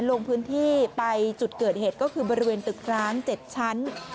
ลงพื้นที่ไปจุดเกิดเหตุก็คือบริเวณตึกร้าง๗ชั้น